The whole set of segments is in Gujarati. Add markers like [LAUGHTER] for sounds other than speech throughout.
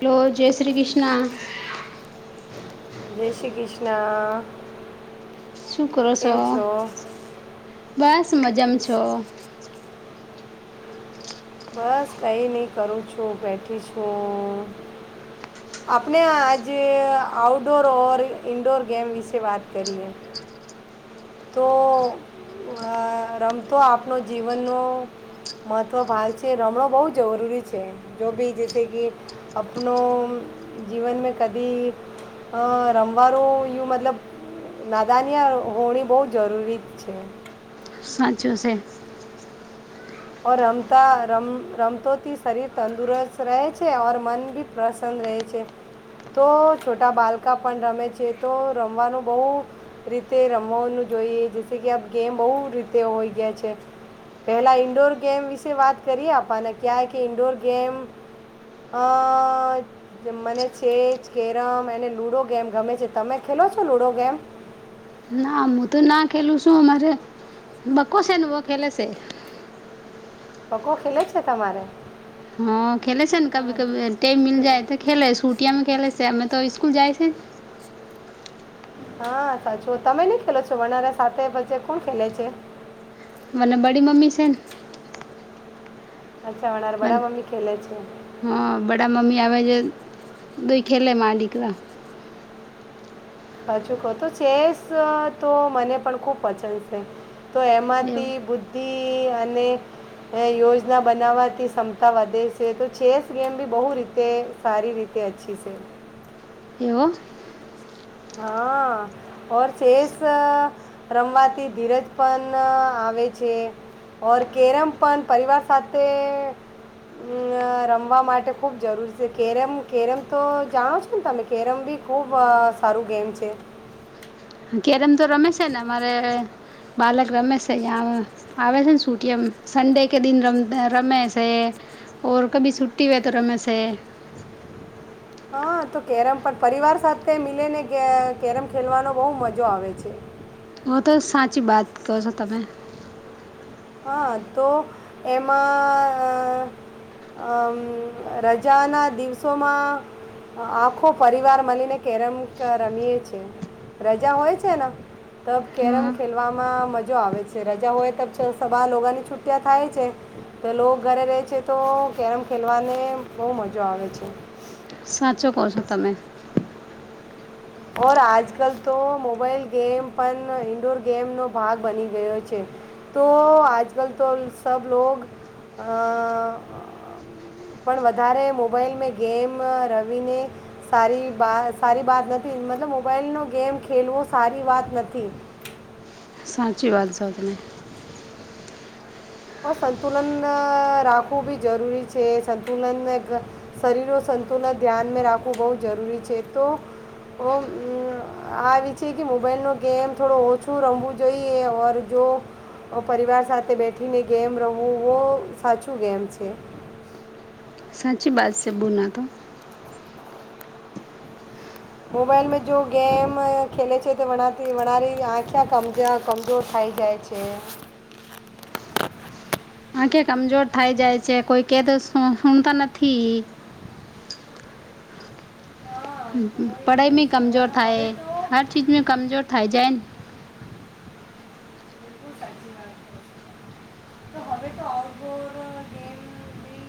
હેલો જય શ્રી કૃષ્ણ જય શ્રી કૃષ્ણ. શું કરો છો બસ મજામાં છો? બસ કંઈ નહીં કરું છું બેઠી છું આપણે આજ આઉટડોર ઇન્ડોર ગેમ વિશે વાત કરીએ. [INAUDIBLE] તો રમતો આપનો જીવનનો મહત્વ ભાવ છે. છે હમણ બહુ જરૂરી છે જો બી જ છે કે આપણો જીવન મે કદી અ રમવાનુ યું મતલબ નાદાનીયા હોણી બહું જરૂરી છે. સાચું શે ઓ રમતા રમ રમતોથી શરીર તંદુરસ્ત રહે છે ઓર મન ભી પ્રસન્ન રહે છે. તો છોટા બાળકા પણ રમે છે તો રમવાનું બહુ રીતે રમવાનું જોઈએ જે કે આ ગેમ બહુ રીતે હોય ગયા છે. પેલા ઈન્ડોર ગેમ વિશે વાત કરીએ આપને ક્યાં કે ઈન્ડોર ગેમ અ મને ચેસ, કેરમ અને લુડો ગેમ ગમે છે તમે ખેલો છો લુડો ગેમ ના હું તો ના ખેલું છું અમારે બકો છે ને બહું ખેલે છે. બકો ખેલે છે તમારે હા ખેલે છે ને કભી ક ટટેમ મી જાય તો ખેલે છુટિયામાં ખેલે છે અમે તો સ્કૂલ જાય છે હા સાચું તમે નઈ ખેલો છો વનારા સાથે પે કોણ ખેલે છે મને બડી મમ્મી છે ને અચ્છાવાનાર મને બડા મમ્મી ખેલે છે હા બડાા મમી આવેે જે દુ ખેલેે મારા દીકરા હજુ કહો તો ચેસ તો મને પણ ખુબ પસંદ છે તો એવો એમાંથી બુદ્ધિ અને એ યોજના બનાવવાથી ક્ષમતા વધે છે તો ચેસ ગેમ બી બહુ રીતે સારી રીતે અચ્છી છે એવ હા ઓર ચેસ રમવાથી ધીરજ પણ આવે છે ઓર કેરમ પણ પરિવાર સાથે અમ રમવા માટે ખુબ જરૂરી છે કેરેમ કેરેમ તો જાણો છો ને તમે કેરમ બી ખૂબ સારું ગેમ છે કે્યારેમ તો રમે છે ને અમારે બાલક રમે છે તં આવે છે ને છૂટય સંડે કે દિન રમ રમે છે ઓર કભી છુટ્ટી હોય તો રમેશે હા તો કેરમ પણ પરિવાર સાથે મિલે ને કેરમ ખેલવાનો બહુ મજો આવે છે હ તો સાચી વાત કહ છો તમે હા તો એમાં અમ રજા ના દિવસોમા આખો પરિવાર મળીને કેરમ રમીએે છે રજા હોય છે ને તો કેરમ હમ ખેલવામાં મજા આવે છે રજા હોય તો તો બ લોકોની છુટિયા થાય છે તો લોકો ઘરે રહે છે તો કેરમ ખેલવાને બહુ મજા આવે છે સાચો કહ છો તમે ઓર આજકાલ તો મોબાઈલ ગેમ પણ ઇન્ડોર ગેમનો ભાગ બની ગયો છે તો આજ કલ તો ઈ સબ લોગ પણ વધારે મોબાઈલ મે ગેમ રમીને સારી સારી વાત નથી મતલબ મોબાઈલ નો ગેમ ખેલવો સારી વાત નથી સાચી વાત છે સંતુલન રાખવું બી જરૂરી છે સંતુલનને શરીર સંતુલન ધ્યાનમાં રાખવું બહુ જરૂરી છે તો ઓ આ છે કે મોબાઈલ નો ગેમ થોડો ઓછું રમવું જોઈએ જો પરિવાર સાથે બેઠીને ગેમ રમવું વ સાચું ગેમ છે સાચી બાત છે બોલના તો મોબાઈલમાં જો ગેમ ખેલે છે તો વતી વરી આંખ્યા કમજોર થઈ જાય છે તે આખે કમજોર થાય જાય છે કોઈ કે તો સુણતા નથી હા, તો હોય જ રહે પઢઈમાં છે. ઓર કમજોર હવે થાય તો હર ચીજ મે કમજોર થાય જૈન બિલકુલ સાચી વાત તો હવે તો આઉટડોર ગેમ બ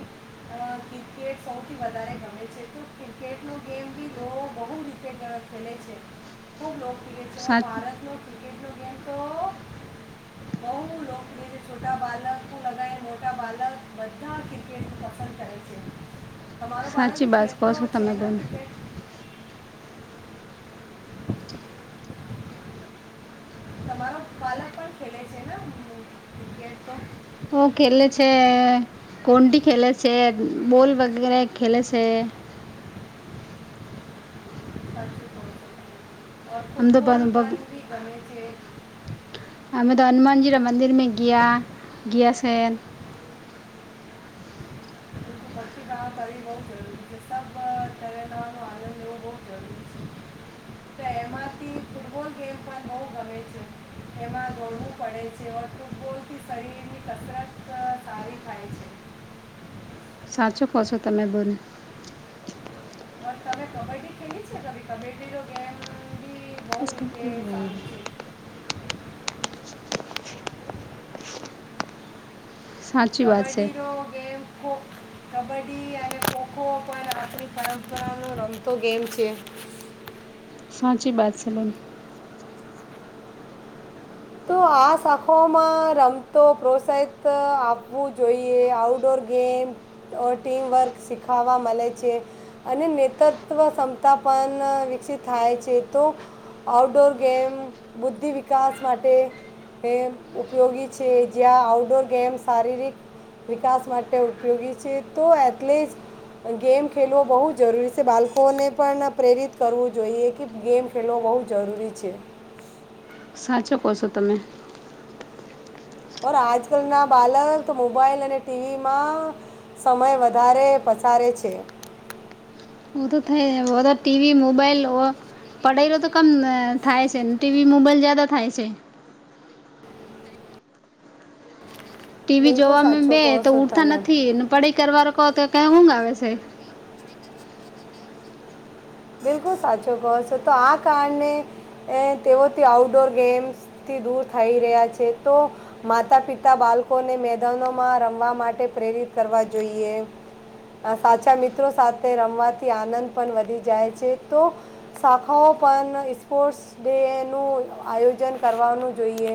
ક્રિકેટ સૌથી વધારે ગમે છે તો ક્રિકેટનો ગેમ બી લોકો બહુ રીતે ખેલે છે ખુબ લોકપ્રિકેટ છે સાચ ભારત ન ક્રિકેટ નું કેમ તો બહ લોક જે જે છોટા બલક પણું લગાવ મોટા બલક બધા ક્રિકેટને પસંદ કર છે તમારો બાળક સાચી ભી વાત ખેલ કહો તો છો છે તમે ને બોન ક્રિકેટ? તમારો બાલક પણ ખેલે છે ને? ક્રિકેટ તો. ઓ ખેલે છે, કોંડી ખેલે છે, બોલ વગેરે, ખેલે છે. આમ તો [UNINTELLIGIBLE] હમે તો હનુમાનજી મંદિર મે ગયા ગયા છે. ત કર બહુ જરૂરી છે સ તનાનો આનંદ એવું બહુ જરૂરી છે. તો એમાંથી ફૂટબોલ ગેમ પણ બહુ ગમે છે. એમાં દોડવું પડે છે. ઓ ફૂટબોલ થી શરીર ની કસરત સારી થાય છે. સાચું કહો છો તમે બેન. બ તમે કબડ્ડી ખેલી છે ક કબડ્ડી નો ગેમ બહ રીતે સારી છે. સાચી વાત છે કબ્ડીરો ગેમ ખો કબડ્ડી અને ખોખો પણ આપણી પરંપરા નો રમતો ગેમ છે. સાંચી વાત છે બન. તો આ શાખાઓમાં રમતો પ્રોત્સાહિત આપવું જોઈએ આઉટડોર ગેમ અ ટીમ વર્ક શીખાવા મળે છે. અને નેતૃત્વ ક્ષમતા પણ વિકસિત થાય છે. તો આઉટડોર ગેમ, બુદ્ધિ વિકાસ, માટે ગેમ ઉપયોગી છે. જ્યાં આઉટડોર ગેમ શારીરિક વિકાસ માટે ઉપયોગી છે. તો એટલે જ ગેમ ખેલવો બહુ જ જરૂરી છ. બાળકોને પણ પ્રેરિત કરવું જોઈએ કે ગેમ ખેલવો બહુ જરૂરી છે. સાચો કહ છો તમે. પણ આજકાલ ના બાલક મોબાઈલ અને ટીવીમાં સમય વધારે પસારે છે. બધું થઈ બધ ટીવી મોબાઈલ ઓ પડેલો તો કમ થાય છે. ને ટીવી મોબાઈલ જ્યાદા થાય છે. ટીવી બિલકુલ જોવાવામાં સાચું બે કહો તો છો ઉઠતા તમે નથી પડાઈ કરવા કહો તો ઊંઘ આવે છે. બિલકુલ સાચો કહો છો તો આ કારણણે તેઓથી આઉટડોર ગેમ્સ થી દૂર થઈ રહ્યા છે તો માતા પિતા બાળકોને મેદાનોમાં રમવા માટે પ્રેરિત કરવા જોઈએ. સાચા મિત્રો સાથે રમવાથી આનંદ પણ વધી જાય છે તો શાખાઓ પણ સ્પોર્ટ્સ નું આયોજન કરવાનું જોઈએ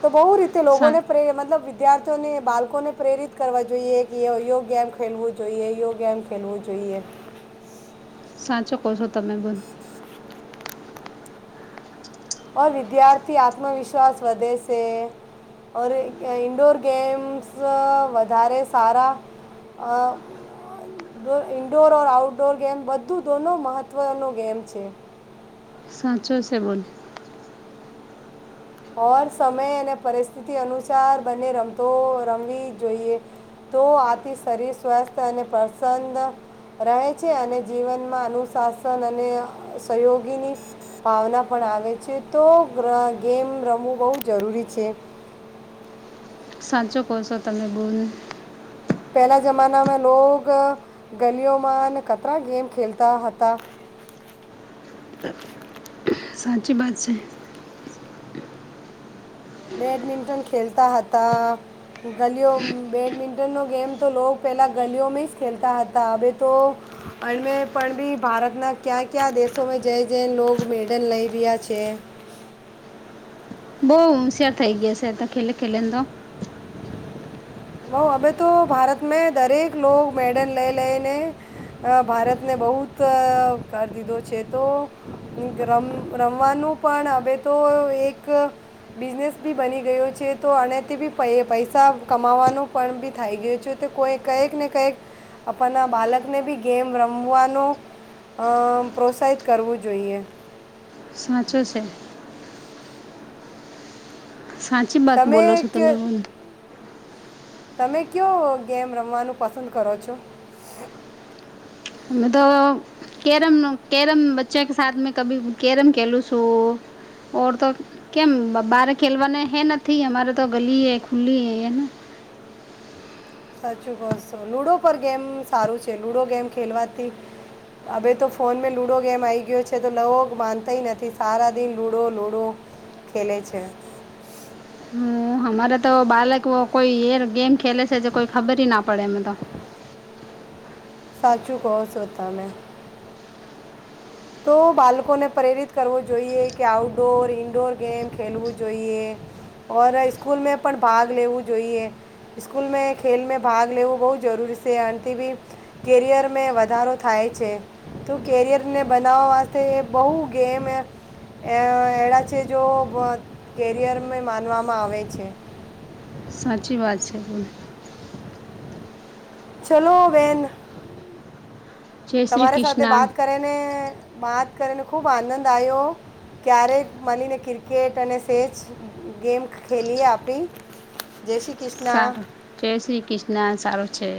તો બ રીતે સા લોકોને પ્રે મતબ વિદ્યા વિદ્યાર્થીઓને બાળકોને પ્રેરિત કરવા જોઈએ કે યો ગેમ ખેલવું જોઈએ યો ગેમ ખેલવું જોઈએ. સાચો કહો છો તમે બધ. વિદ્યાર્થી આત્મવિશ્વાસ વધે છે. ઓર ઇન્ડોર ગેમ્સ વધારે સારા અ ઈન્ડોર ર આઉટડોર ગેમ બધું દોનો મહત્વનો ગેમ છે. સાચુ સે બોન. ઓર સમય અને પરિસ્થિતિ અનુસાર બંને રમતો રમવી જ જોઈએ. તો આથી શરીર સ્વસ્થ અને પ્રસન્ન રહે છે અને જીવનમાં અનુશાસન અને સહયોગીની ભાવના પણ આવે છે તો ગ્રેમ ગેમ રમવું બહુ જરૂરી છે. સાચો કો છો તમે બોન. પહેલાં જમાનામાં લોગ ગલીઓમાં અને કતરા ગેમ ખેલતા હતા. સાચી વાત છે. બેડમિન્ટન ખેલતા હતા. બેડમિન્ટનનો ગેમ લોકો પહેલાં ગલીઓમાં જ ખેલતા હતા હવે તો અમે પણ બી ભારતના ક્યાં કયા દેશોમાં જઈ જઈ લો મેડલ લઈ રહ્યા છે બઉ હોશિયાર થઇ ગયા છે ખેલે ખેલે તો હઉ અવે તો ભારત મે દરેક લોકો મેડલ લઈ લઈને અ ભારતને બહુત કર દીધો છે તો રમ રમવાનું પણ હવે તો એક બિઝનેસ બી બની ગયો છે તો અને તે બી પૈસા કમાવાનું પણ બી થઈ ગયું છે તે કોઈ કઈક ને કંઈક આપણના બાળકને બી ગેમ રમવાનો અ પ્રોત્સાહિત કરવું જોઈએ. સાચુ છે. સા તમે એક તમે કયો ગેમ રમવાનું પસંદ કરો છો. અને તો કેરમ કેરમ બચ્ચા કે સા મે કભી કેરમ કેલું છું. ઓર તો કેમ બાર ખેલવાના હૈ નથી અમારે તો ગલી હૈ ખુલ્લી હૈ હે. સાચું કહો છો લૂડો પર ગેમ સારું છે લૂડો ગેમ ખેલવાથી હવે તો ફોન મે લુડો ગેમ આ આય ગયો છે તો લોકો માનતાય નથી સારા દિન લુડો લુડો ખેલે છે. હમારા તો બાલક કોઈ એલ ગેમ ખેલે છે જે કોઈ ખબર ના પડે એમતો સાચું કહસો તમેં તો બાળકોને પ્રેરિત કરવું જોઈએ કે આઉટડોર ઇન્ડોર ગેમ ખેલવું જોઈએ. ઓર સ્કૂલમાં પણ ભાગ લેવું જોઈએ. સ્કૂલ મે ખેલ મે ભાગ લેવું બહુ જરૂરી છે આનાથી ભી કેરિયરમે વધારો થાય છે તો કેરિયરને બનાવવા વાતે એ બહુ ગેમ એ અ એડા છે જો કેરયરમે માનવામાં આવે છે. સાચી વાત છે બોને. ચલો બેન જય શ્રી તમારી સાથે કૃષ્ણ વાત કરેને વાત કરીને ખૂબ આનંદ આવ્યો ક્યારેક મનીને ક્રિકેટ અને સેચ ગેમ ખેલીએ આપણી જય શ્રી કૃષ્ણના. સારું જય શ્રી કૃષ્ણ સારું છે.